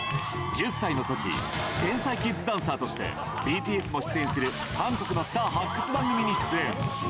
１０歳のとき、天才キッズダンサーとして、ＢＴＳも出演する韓国のスター発掘番組に出演。